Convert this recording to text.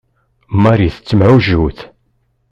Marie tettemɛujjut.